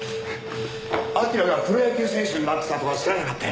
明がプロ野球選手になってたとは知らなかったよ。